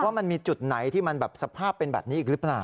ว่ามันมีจุดไหนที่มันแบบสภาพเป็นแบบนี้อีกหรือเปล่า